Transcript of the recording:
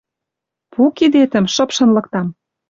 Пу кидетӹм, шыпшын лыктам.